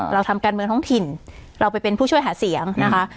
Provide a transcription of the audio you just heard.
เราทำการเมืองท้องถิ่นเราไปเป็นผู้ช่วยหาเสียงนะคะ